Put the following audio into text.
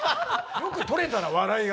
よく取れたな笑いが。